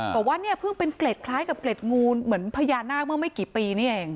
บอกว่าเนี่ยเพิ่งเป็นเกล็ดคล้ายกับเกล็ดงูเหมือนพญานาคเมื่อไม่กี่ปีนี่เอง